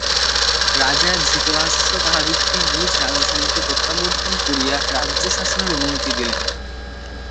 রাজা ধৃতরাষ্ট্র তাঁহাদিগকে নিজ রাজধানীতে প্রত্যাবর্তন করিয়া রাজ্যশাসনের অনুমতি দিলেন।